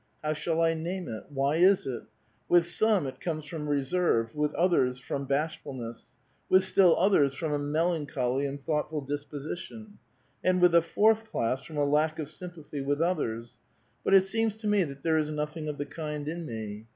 How shall I name it? Why is it? With some it comes from reserve ; with others from bashful ness ; with still others from a melancholj' and thoughtful dis position ; and with a fourth class from a lack of sympathy with others; but it seems to me that there is nothing of the kind in me.